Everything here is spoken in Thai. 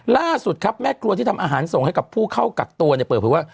ล่าสุดครับแม่คลัวที่ทำอาหารส่งให้ผู้เข้ากักตัว